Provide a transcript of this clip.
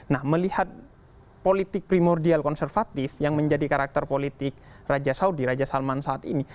nah melihat politik primordial konservatif yang menjadi karakter politik raja saudi raja salman saat ini